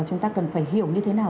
chúng ta cần phải hiểu như thế nào